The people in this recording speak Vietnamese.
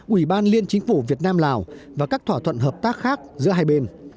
ủy ban liên chính phủ việt nam lào và các thỏa thuận hợp tác khác giữa hai bên